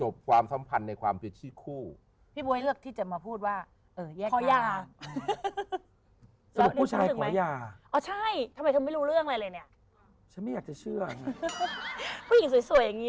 ในวันนั้นต่างคนต่างรู้สึกยังไง